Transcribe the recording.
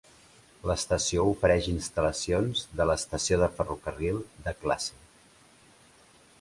L'estació ofereix instal·lacions de l'estació de ferrocarril de classe.